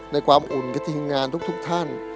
ในความอุ่นกับทีมงานทุกท่าน